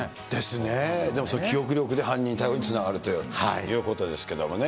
記憶力で犯人逮捕につながるということですけれどもね。